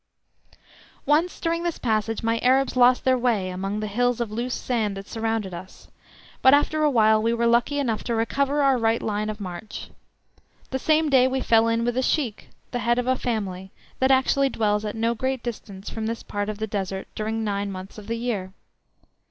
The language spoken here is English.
Once during this passage my Arabs lost their way among the hills of loose sand that surrounded us, but after a while we were lucky enough to recover our right line of march. The same day we fell in with a Sheik, the head of a family, that actually dwells at no great distance from this part of the Desert during nine months of the year.